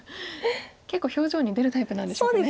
結構表情に出るタイプなんでしょうかね。